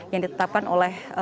yang ditetapkan oleh